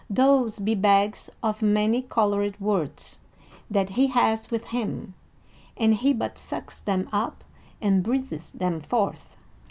"Those be bags of many colored words that he hath with him, and he but sucks them up and breathes them forth."